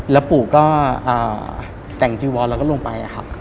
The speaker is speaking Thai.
แล้วปู่ก็แต่งจิวอลแล้วก็ลงไป